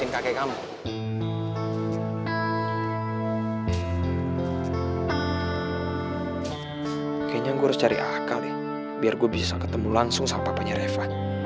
kayaknya gue harus cari akal deh biar gue bisa ketemu langsung sama papanya reva